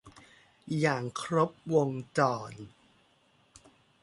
อย่างครบวงจร